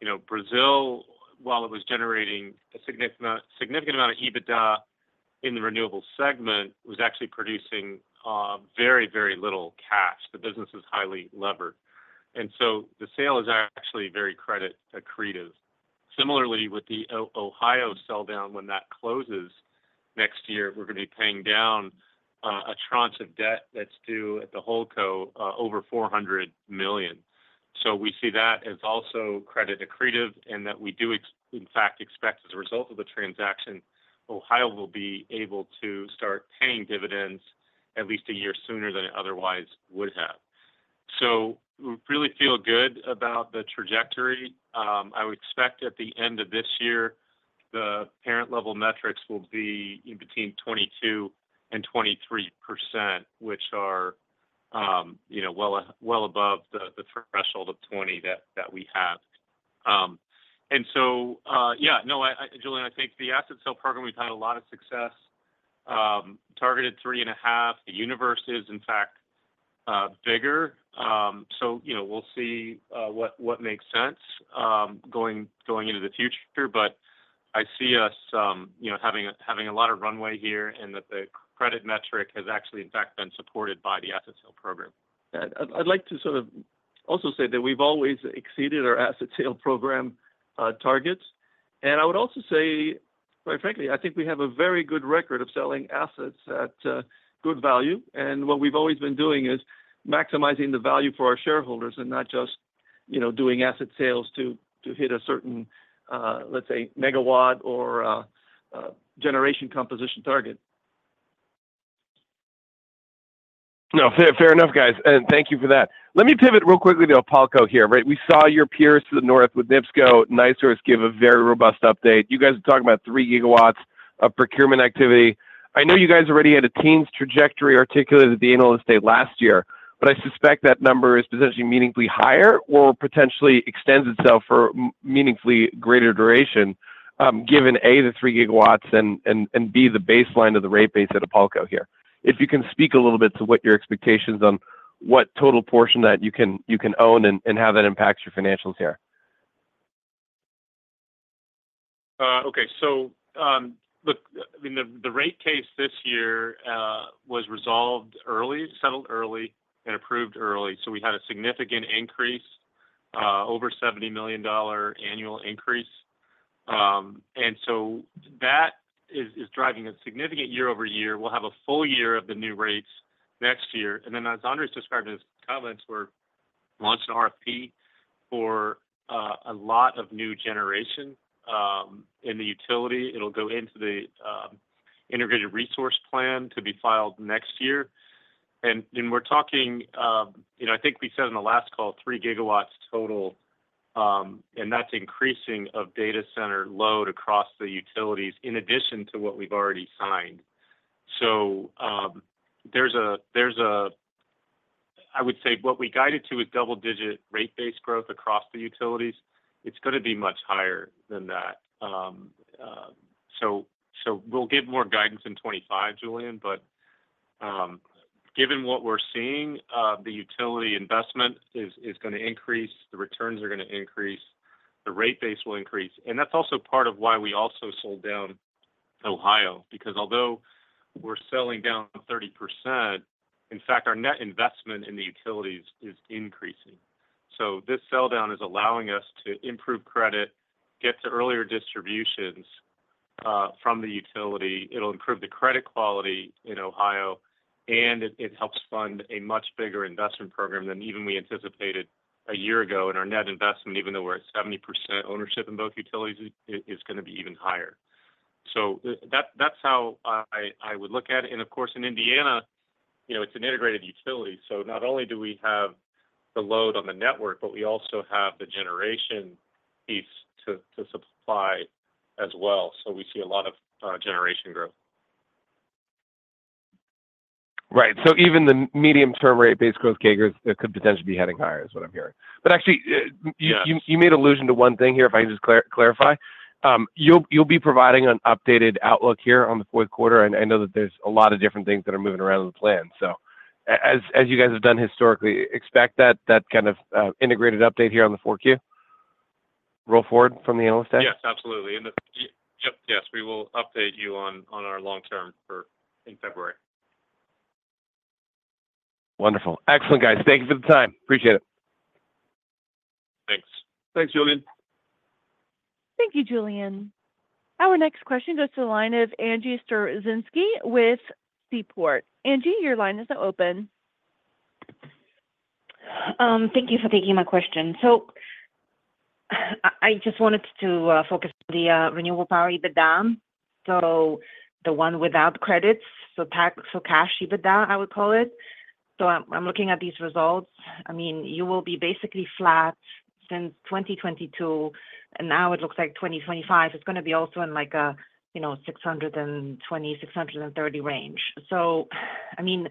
you know, Brazil, while it was generating a significant amount of EBITDA in the renewable segment, was actually producing very, very little cash. The business is highly levered, and so the sale is actually very credit-accretive. Similarly, with the Ohio sell-down, when that closes next year, we're going to be paying down a tranche of debt that's due at the Holdco over $400 million. So we see that as also credit-accretive, and that we do, in fact, expect as a result of the transaction, Ohio will be able to start paying dividends at least a year sooner than it otherwise would have. So we really feel good about the trajectory. I would expect at the end of this year, the parent-level metrics will be in between 22%-23%, which are, you know, well above the threshold of 20% that we have. And so, yeah, no, Julianne, I think the asset sale program, we've had a lot of success, targeted 3.5. The universe is, in fact, bigger. So, you know, we'll see what makes sense going into the future, but I see us, you know, having a lot of runway here and that the credit metric has actually, in fact, been supported by the asset sale program. I'd like to sort of also say that we've always exceeded our asset sale program targets. And I would also say, quite frankly, I think we have a very good record of selling assets at good value. And what we've always been doing is maximizing the value for our shareholders and not just, you know, doing asset sales to hit a certain, let's say, megawatt or generation composition target. No, fair enough, guys. And thank you for that. Let me pivot real quickly to IPALCO here, right? We saw your peers to the north with NIPSCO, NiSource give a very robust update. You guys are talking about three gigawatts of procurement activity. I know you guys already had a ten-year trajectory articulated at the analyst day last year, but I suspect that number is potentially meaningfully higher or potentially extends itself for meaningfully greater duration, given, A, the three gigawatts and, B, the baseline of the rate base at IPALCO here. If you can speak a little bit to what your expectations on what total portion that you can own and how that impacts your financials here. Okay, so look, I mean, the rate case this year was resolved early, settled early, and approved early. So we had a significant increase, over $70 million annual increase. And so that is driving a significant year-over-year. We will have a full year of the new rates next year. And then, as Andrés has described in his comments, we are launching RFP for a lot of new generation in the utility. It will go into the integrated resource plan to be filed next year. And we are talking, you know, I think we said in the last call, three gigawatts total, and that is increasing of data center load across the utilities in addition to what we have already signed. So there is a, I would say what we guided to is double-digit rate-based growth across the utilities. It is going to be much higher than that. We'll give more guidance in 2025, Julian, but given what we're seeing, the utility investment is going to increase, the returns are going to increase, the rate base will increase. And that's also part of why we also sold down Ohio, because although we're selling down 30%, in fact, our net investment in the utilities is increasing. So this sell-down is allowing us to improve credit, get to earlier distributions from the utility. It'll improve the credit quality in Ohio, and it helps fund a much bigger investment program than even we anticipated a year ago. And our net investment, even though we're at 70% ownership in both utilities, is going to be even higher. So that's how I would look at it. And of course, in Indiana, you know, it's an integrated utility. So not only do we have the load on the network, but we also have the generation piece to supply as well. So we see a lot of generation growth. Right. So even the medium-term rate-based growth CAGRs could potentially be heading higher is what I'm hearing. But actually, you made allusion to one thing here, if I can just clarify. You'll be providing an updated outlook here on the fourth quarter. And I know that there's a lot of different things that are moving around in the plan. So as you guys have done historically, expect that kind of integrated update here on the fourth quarter? Roll forward from the analyst day? Yes, absolutely. Yes, we will update you on our long-term forecast in February. Wonderful. Excellent, guys. Thank you for the time. Appreciate it. Thanks. Thanks, Julian. Thank you, Julian. Our next question goes to the line of Angie Storozynski with Seaport. Angie, your line is now open. Thank you for taking my question. So I just wanted to focus on the renewable power EBITDA, so the one without credits, so cash EBITDA, I would call it. So I'm looking at these results. I mean, you will be basically flat since 2022, and now it looks like 2025 is going to be also in like a, you know, 620, 630 range. So, I mean,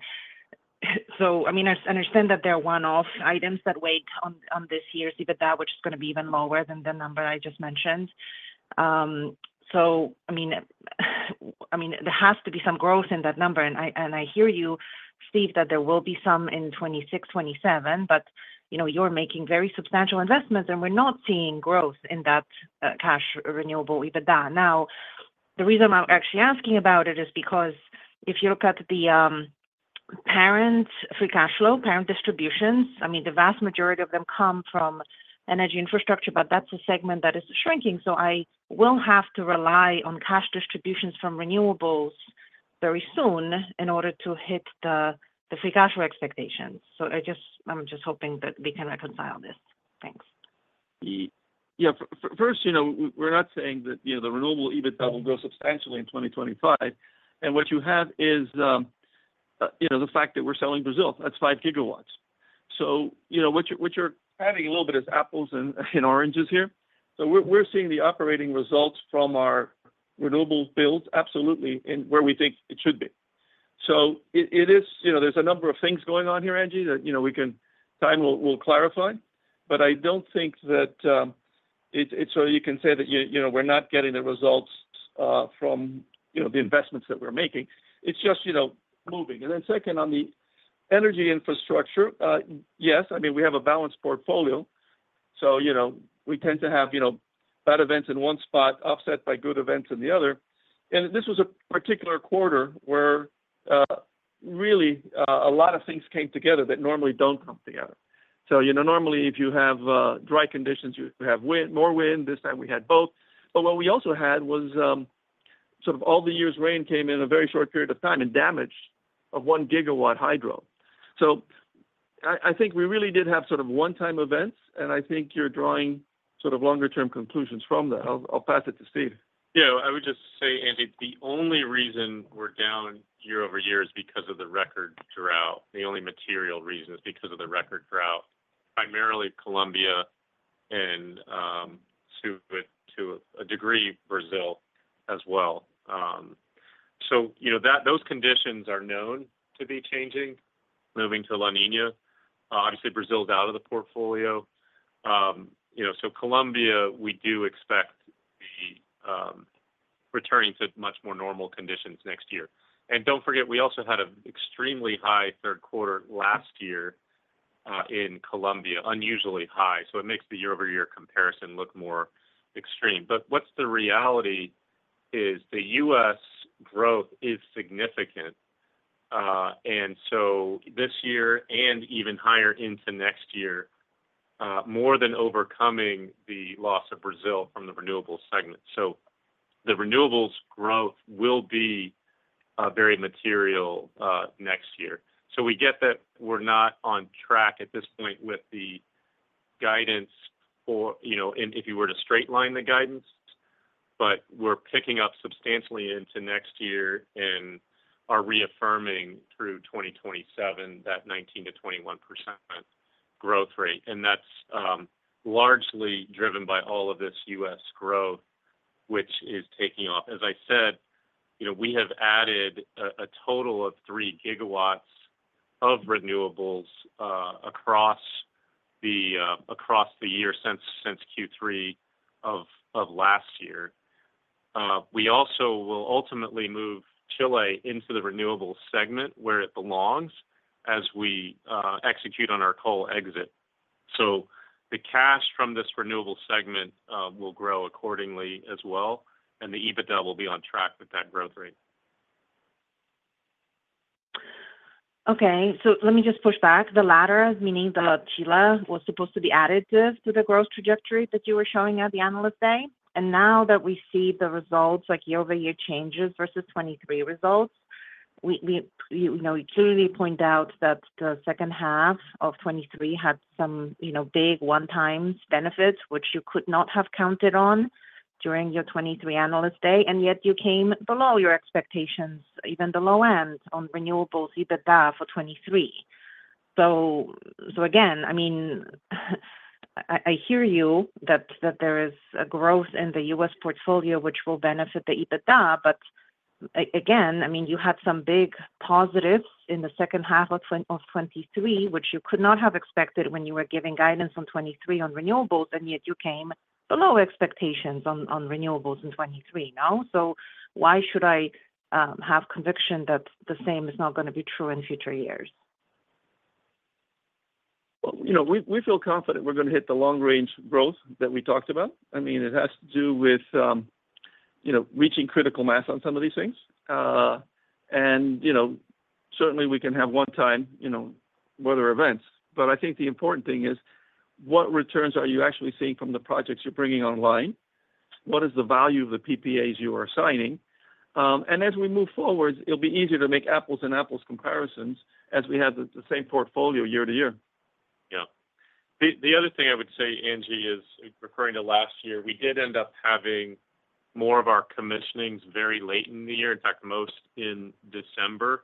I understand that there are one-off items that weigh on this year's EBITDA, which is going to be even lower than the number I just mentioned. So, I mean, there has to be some growth in that number. And I hear you, Steve, that there will be some in 2026, 2027, but, you know, you're making very substantial investments, and we're not seeing growth in that cash renewable EBITDA. Now, the reason I'm actually asking about it is because if you look at the parent free cash flow, parent distributions, I mean, the vast majority of them come from energy infrastructure, but that's a segment that is shrinking. So I will have to rely on cash distributions from renewables very soon in order to hit the free cash flow expectations. So I just, I'm just hoping that we can reconcile this. Thanks. Yeah. First, you know, we're not saying that, you know, the renewable EBITDA will grow substantially in 2025. And what you have is, you know, the fact that we're selling Brazil. That's five gigawatts. So, you know, what you're having a little bit is apples and oranges here. So we're seeing the operating results from our renewables build, absolutely, and where we think it should be. So it is, you know, there's a number of things going on here, Angie, that, you know, we can, time will clarify. But I don't think that it's so you can say that, you know, we're not getting the results from, you know, the investments that we're making. It's just, you know, moving. And then second, on the energy infrastructure, yes, I mean, we have a balanced portfolio. So, you know, we tend to have, you know, bad events in one spot offset by good events in the other. And this was a particular quarter where really a lot of things came together that normally don't come together. So, you know, normally if you have dry conditions, you have wind, more wind. This time we had both. But what we also had was sort of all the year's rain came in a very short period of time and damaged a one gigawatt hydro. So I think we really did have sort of one-time events, and I think you're drawing sort of longer-term conclusions from that. I'll pass it to Steve. Yeah. I would just say, Angie, the only reason we're down year over year is because of the record drought. The only material reason is because of the record drought, primarily Colombia and, to a degree, Brazil as well. So, you know, those conditions are known to be changing. Moving to La Niña. Obviously, Brazil's out of the portfolio. You know, so Colombia, we do expect returning to much more normal conditions next year. And don't forget, we also had an extremely high third quarter last year in Colombia, unusually high. So it makes the year-over-year comparison look more extreme. But what's the reality is the U.S. growth is significant. And so this year and even higher into next year, more than overcoming the loss of Brazil from the renewables segment. So the renewables growth will be very material next year. So we get that we're not on track at this point with the guidance or, you know, if you were to straight line the guidance, but we're picking up substantially into next year and are reaffirming through 2027 that 19%-21% growth rate. And that's largely driven by all of this U.S. growth, which is taking off. As I said, you know, we have added a total of three gigawatts of renewables across the year since Q3 of last year. We also will ultimately move Chile into the renewables segment where it belongs as we execute on our coal exit. So the cash from this renewable segment will grow accordingly as well, and the EBITDA will be on track with that growth rate. Okay. So let me just push back. The latter, meaning the Chile, was supposed to be additive to the growth trajectory that you were showing at the analyst day. And now that we see the results, like year-over-year changes versus 2023 results, we, you know, clearly point out that the second half of 2023 had some, you know, big one-time benefits, which you could not have counted on during your 2023 analyst day. And yet you came below your expectations, even the low end on renewables EBITDA for 2023. So, so again, I mean, I hear you that there is a growth in the U.S. portfolio, which will benefit the EBITDA, but again, I mean, you had some big positives in the second half of 2023, which you could not have expected when you were giving guidance on 2023 on renewables, and yet you came below expectations on renewables in 2023, no? So why should I have conviction that the same is not going to be true in future years? You know, we feel confident we're going to hit the long-range growth that we talked about. I mean, it has to do with, you know, reaching critical mass on some of these things. And, you know, certainly we can have one-time, you know, weather events. But I think the important thing is what returns are you actually seeing from the projects you're bringing online? What is the value of the PPAs you are signing? And as we move forward, it'll be easier to make apples-to-apples comparisons as we have the same portfolio year to year. Yeah. The other thing I would say, Angie, is referring to last year, we did end up having more of our commissionings very late in the year, in fact, most in December.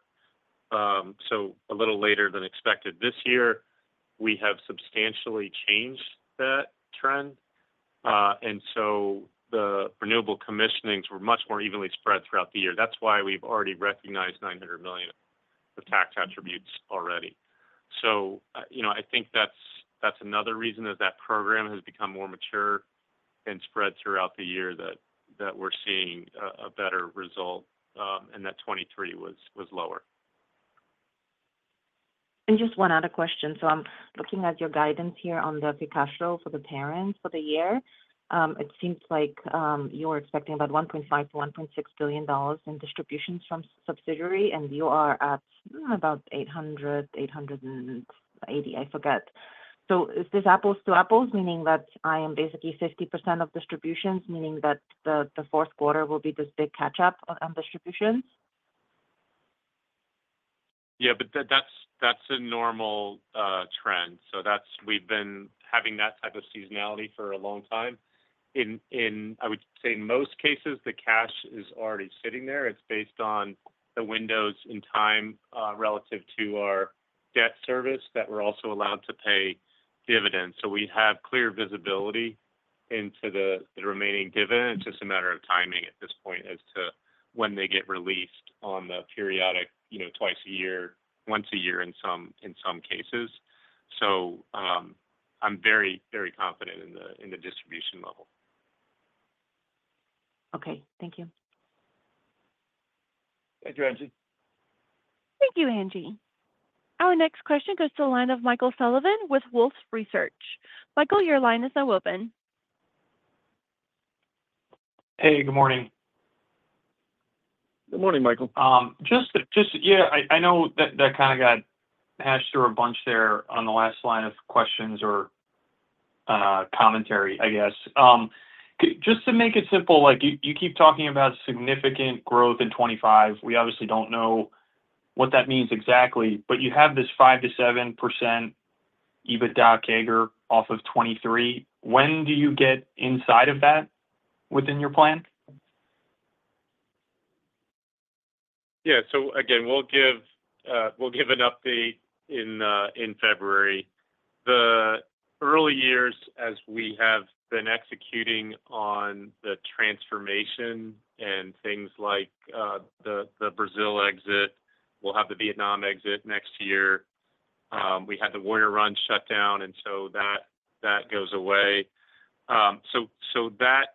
So a little later than expected this year, we have substantially changed that trend. And so the renewable commissionings were much more evenly spread throughout the year. That's why we've already recognized $900 million of tax attributes already. So, you know, I think that's another reason is that program has become more mature and spread throughout the year that we're seeing a better result and that 2023 was lower. And just one other question. So I'm looking at your guidance here on the free cash flow for the Parent for the year. It seems like you were expecting about $1.5-$1.6 billion in distributions from subsidiary, and you are at about $800-$880 million, I forget. So is this apples to apples, meaning that I am basically 50% of distributions, meaning that the fourth quarter will be this big catch-up on distributions? Yeah, but that's a normal trend. So that's we've been having that type of seasonality for a long time. In, I would say, in most cases, the cash is already sitting there. It's based on the windows in time relative to our debt service that we're also allowed to pay dividends. So we have clear visibility into the remaining dividend. It's just a matter of timing at this point as to when they get released on the periodic, you know, twice a year, once a year in some cases. So I'm very, very confident in the distribution level. Okay. Thank you. Thank you, Angie. Thank you, Angie. Our next question goes to the line of Michael Sullivan with Wolfe Research. Michael, your line is now open. Hey, good morning. Good morning, Michael. Just, yeah, I know that kind of got hashed through a bunch there on the last line of questions or commentary, I guess. Just to make it simple, like you keep talking about significant growth in 2025. We obviously don't know what that means exactly, but you have this 5%-7% EBITDA CAGR off of 2023. When do you get inside of that within your plan? Yeah, so again, we'll give an update in February. The early years, as we have been executing on the transformation and things like the Brazil exit, we'll have the Vietnam exit next year. We had the Warrior Run shut down, and so that goes away, so that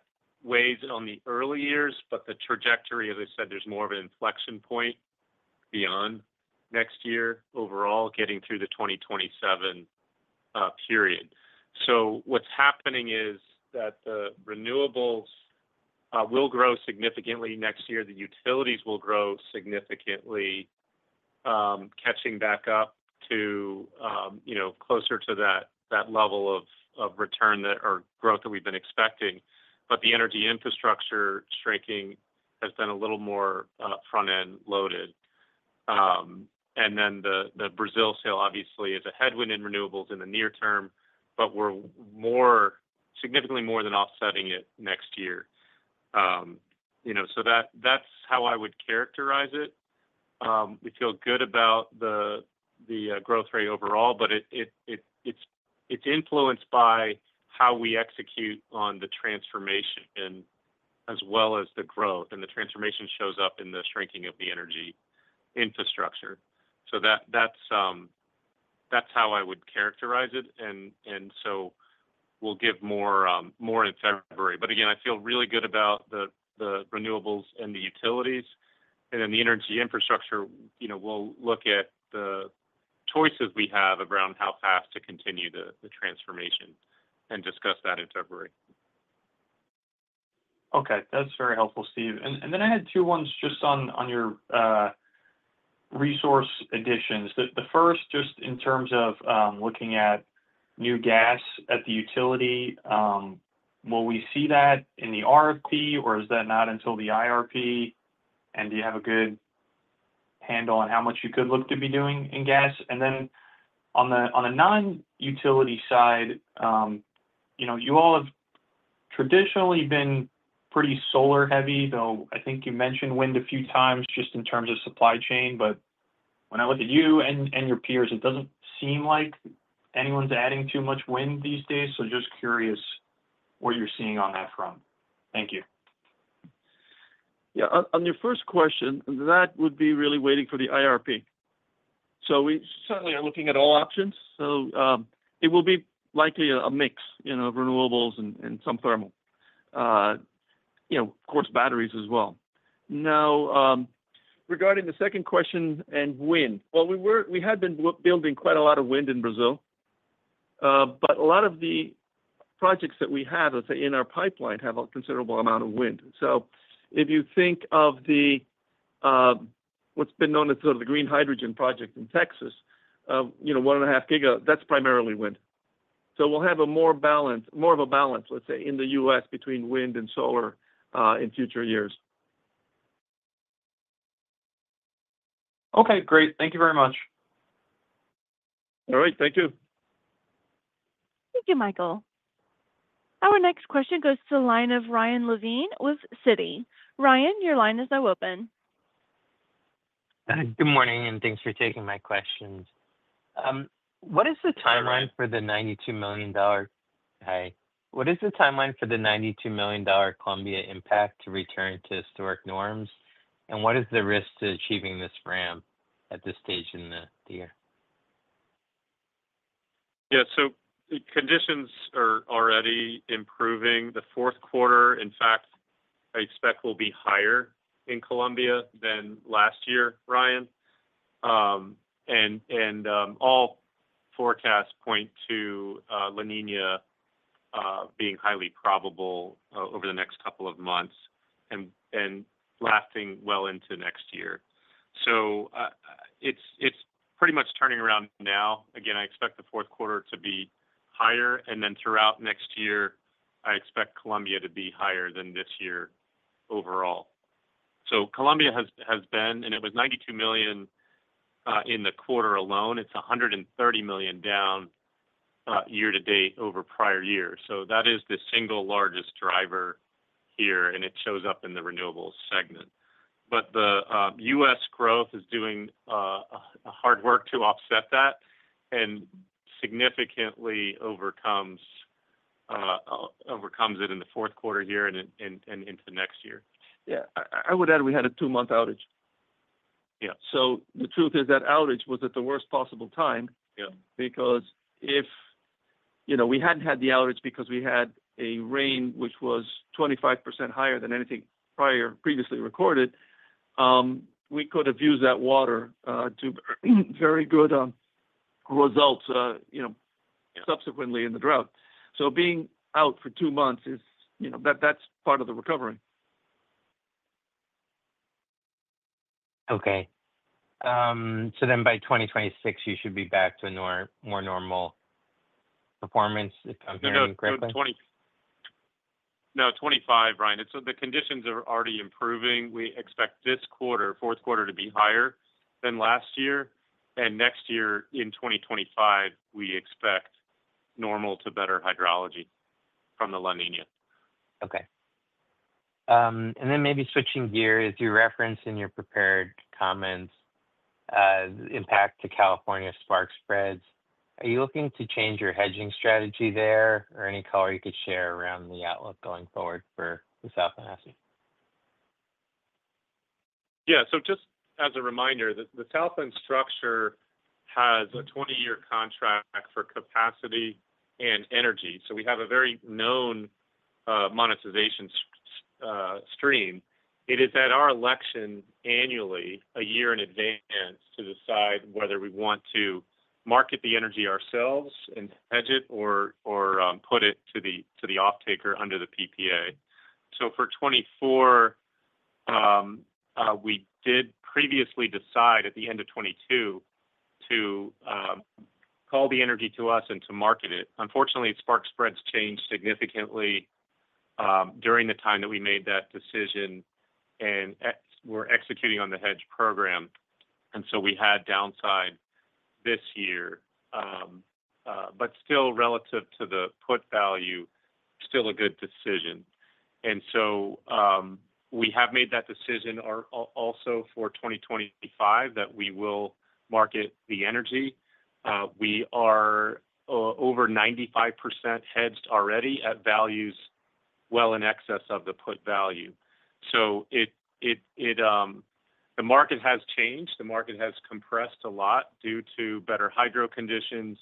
weighs on the early years, but the trajectory, as I said, there's more of an inflection point beyond next year overall getting through the 2027 period. So what's happening is that the renewables will grow significantly next year. The utilities will grow significantly, catching back up to, you know, closer to that level of return or growth that we've been expecting. But the energy infrastructure shrinking has been a little more front-end loaded. And then the Brazil sale, obviously, is a headwind in renewables in the near term, but we're significantly more than offsetting it next year. You know, so that's how I would characterize it. We feel good about the growth rate overall, but it's influenced by how we execute on the transformation as well as the growth. And the transformation shows up in the shrinking of the energy infrastructure. So that's how I would characterize it. And so we'll give more in February. But again, I feel really good about the renewables and the utilities. And then the energy infrastructure, you know, we'll look at the choices we have around how fast to continue the transformation and discuss that in February. Okay. That's very helpful, Steve. And then I had two questions just on your resource additions. The first, just in terms of looking at new gas at the utility, will we see that in the RFP, or is that not until the IRP? And do you have a good handle on how much you could look to be doing in gas? And then on the non-utility side, you know, you all have traditionally been pretty solar-heavy, though I think you mentioned wind a few times just in terms of supply chain. But when I look at you and your peers, it doesn't seem like anyone's adding too much wind these days. So just curious what you're seeing on that front. Thank you. Yeah. On your first question, that would be really waiting for the IRP. So we certainly are looking at all options. So it will be likely a mix, you know, of renewables and some thermal, you know, of course, batteries as well. Now, regarding the second question and wind, well, we had been building quite a lot of wind in Brazil, but a lot of the projects that we have, let's say, in our pipeline have a considerable amount of wind. So if you think of what's been known as sort of the green hydrogen project in Texas, you know, one and a half giga, that's primarily wind. So we'll have a more balanced, more of a balance, let's say, in the U.S. between wind and solar in future years. Okay. Great. Thank you very much. All right. Thank you. Thank you, Michael. Our next question goes to the line of Ryan Levine with Citi. Ryan, your line is now open. Good morning, and thanks for taking my questions. What is the timeline for the $92 million? What is the timeline for the $92 million Colombia impact to return to historic norms? And what is the risk to achieving this ramp at this stage in the year? Yeah. So conditions are already improving. The fourth quarter, in fact, I expect will be higher in Colombia than last year, Ryan. And all forecasts point to La Niña being highly probable over the next couple of months and lasting well into next year. So it's pretty much turning around now. Again, I expect the fourth quarter to be higher. And then throughout next year, I expect Colombia to be higher than this year overall. So Colombia has been, and it was $92 million in the quarter alone. It's $130 million down year to date over prior years. So that is the single largest driver here, and it shows up in the renewables segment. But the U.S. growth is doing hard work to offset that and significantly overcomes it in the fourth quarter here and into next year. Yeah. I would add we had a two-month outage. Yeah. So the truth is that outage was at the worst possible time because if, you know, we hadn't had the outage because we had a rain, which was 25% higher than anything previously recorded, we could have used that water to very good results, you know, subsequently in the drought. So being out for two months is, you know, that's part of the recovery. Okay. So then by 2026, you should be back to a more normal performance, if I'm hearing correctly? No, 25, Ryan, so the conditions are already improving. We expect this quarter, fourth quarter, to be higher than last year, and next year, in 2025, we expect normal to better hydrology from the La Niña. Okay. And then maybe switching gears, you referenced in your prepared comments impact to California spark spreads. Are you looking to change your hedging strategy there or any color you could share around the outlook going forward for the Southland? Yeah. So just as a reminder, the Southland structure has a 20-year contract for capacity and energy. So we have a very known monetization stream. It is at our election annually a year in advance to decide whether we want to market the energy ourselves and hedge it or put it to the off-taker under the PPA. So for 2024, we did previously decide at the end of 2022 to call the energy to us and to market it. Unfortunately, spark spreads changed significantly during the time that we made that decision and were executing on the hedge program. And so we had downside this year, but still relative to the put value, still a good decision. And so we have made that decision also for 2025 that we will market the energy. We are over 95% hedged already at values well in excess of the put value. So the market has changed. The market has compressed a lot due to better hydro conditions.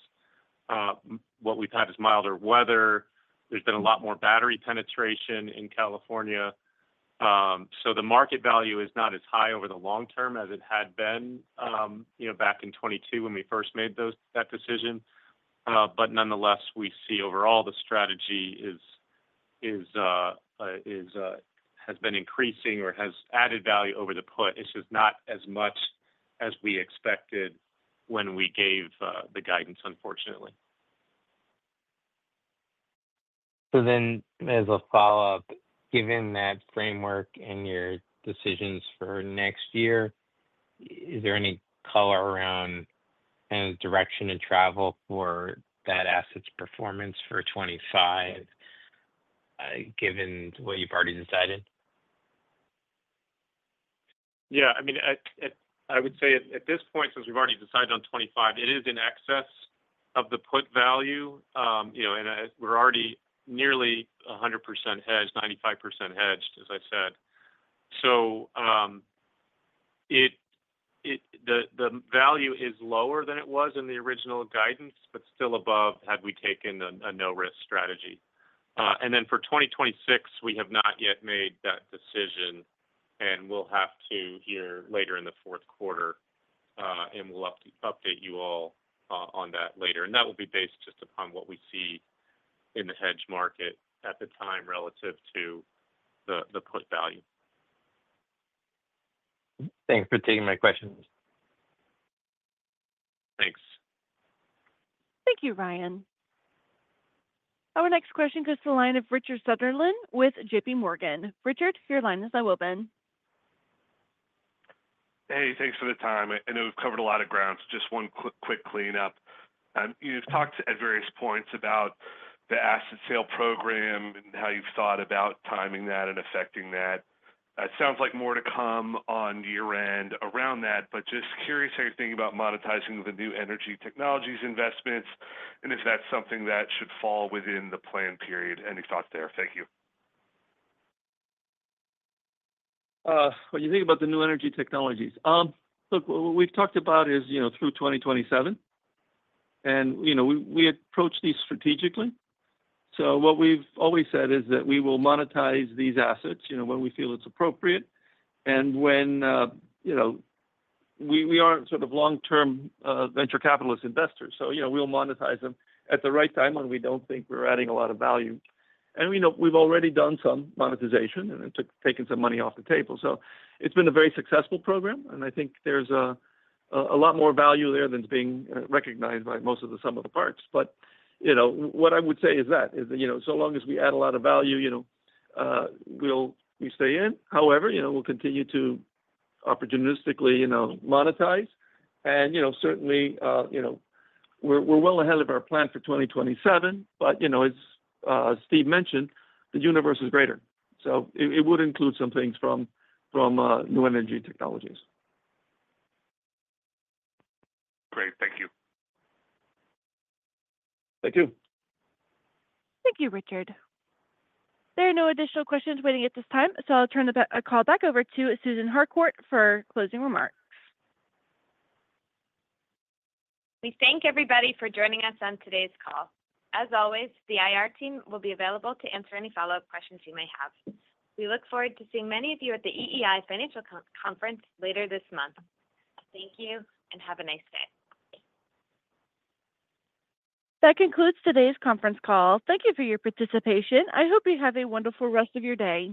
What we've had is milder weather. There's been a lot more battery penetration in California. So the market value is not as high over the long term as it had been, you know, back in 2022 when we first made that decision. But nonetheless, we see overall the strategy has been increasing or has added value over the past. It's just not as much as we expected when we gave the guidance, unfortunately. So then as a follow-up, given that framework and your decisions for next year, is there any color around kind of direction to travel for that asset's performance for 2025 given what you've already decided? Yeah. I mean, I would say at this point, since we've already decided on 2025, it is in excess of the put value, you know, and we're already nearly 100% hedged, 95% hedged, as I said. So the value is lower than it was in the original guidance, but still above had we taken a no-risk strategy. And then for 2026, we have not yet made that decision, and we'll have to hear later in the fourth quarter, and we'll update you all on that later. And that will be based just upon what we see in the hedge market at the time relative to the put value. Thanks for taking my questions. Thanks. Thank you, Ryan. Our next question goes to the line of Richard Sunderland with JPMorgan. Richard, your line is now open. Hey, thanks for the time. I know we've covered a lot of ground. So just one quick cleanup. You've talked at various points about the asset sale program and how you've thought about timing that and affecting that. It sounds like more to come on year-end around that, but just curious how you're thinking about monetizing the new energy technologies investments and if that's something that should fall within the planned period. Any thoughts there? Thank you. You think about the new energy technologies. Look, what we've talked about is, you know, through 2027. You know, we approach these strategically. What we've always said is that we will monetize these assets, you know, when we feel it's appropriate and when, you know, we aren't sort of long-term venture capitalist investors. You know, we'll monetize them at the right time when we don't think we're adding a lot of value. You know, we've already done some monetization and taken some money off the table. It's been a very successful program, and I think there's a lot more value there than it's being recognized by most of the sum of the parts. What I would say is that, you know, so long as we add a lot of value, you know, we'll stay in. However, you know, we'll continue to opportunistically, you know, monetize. And, you know, certainly, you know, we're well ahead of our plan for 2027, but, you know, as Steve mentioned, the universe is greater. So it would include some things from new energy technologies. Great. Thank you. Thank you. Thank you, Richard. There are no additional questions waiting at this time, so I'll turn the call back over to Susan Harcourt for closing remarks. We thank everybody for joining us on today's call. As always, the IR team will be available to answer any follow-up questions you may have. We look forward to seeing many of you at the EEI Financial Conference later this month. Thank you and have a nice day. That concludes today's conference call. Thank you for your participation. I hope you have a wonderful rest of your day.